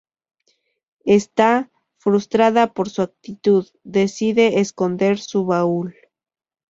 Esta, frustrada por su actitud, decide esconder su baúl.